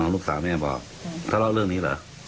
ลูกสาวแม่บอกทะเลาะเรื่องนี้เหรอ